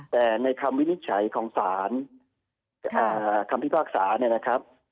แต่ในคำวินิจฉัยของศาลคำพิพากษาเนี่ยนะครับ